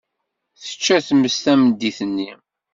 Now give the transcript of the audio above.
Tečča tmes tamdint-nni.